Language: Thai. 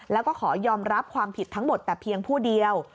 แล้วก็ขอยอมรับความผิดทั้งหมดแต่เพียงผู้เดียว